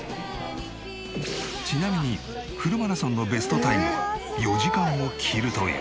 ちなみにフルマラソンのベストタイムは４時間を切るという。